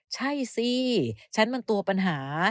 ใช่สิฉันมันตัวปัญหา